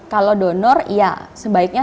kalau donor iya